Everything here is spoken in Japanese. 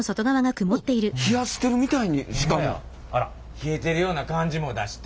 冷えてるような感じも出して。